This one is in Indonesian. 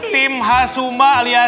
tim hasuma alias